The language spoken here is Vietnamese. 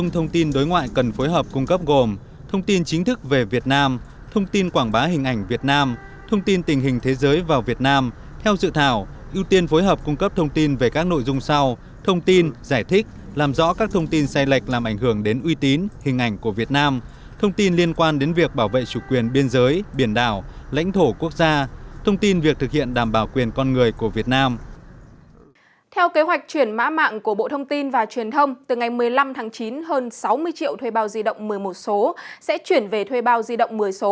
theo kế hoạch chuyển mã mạng của bộ thông tin và truyền thông từ ngày một mươi năm tháng chín hơn sáu mươi triệu thuê bao di động một mươi một số sẽ chuyển về thuê bao di động một mươi số